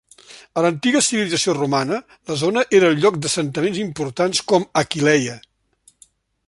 A l'antiga civilització romana, la zona era el lloc d'assentaments importants com Aquileia.